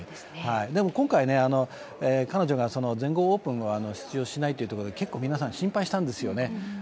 今回、彼女が全豪オープンを出場しないということで結構皆さん心配したんですよね。